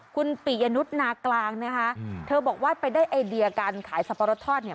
คุณปิยนุษย์นากลางนะคะเธอบอกว่าไปได้ไอเดียการขายสับปะรดทอดเนี่ย